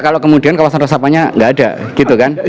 kalau kemudian kawasan resapannya nggak ada gitu kan